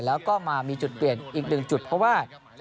แล้วก็มามีจุดเปลี่ยนอีกหนึ่งจุดเพราะว่า